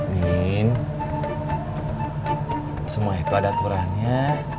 ingin semua itu ada aturannya